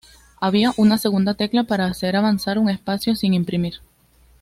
Había una segunda tecla para hacer avanzar un espacio sin imprimir.